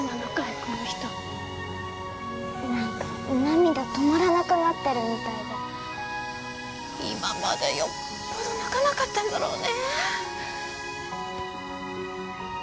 この人何か涙止まらなくなってるみたいで今までよっぽど泣かなかったんだろうねえ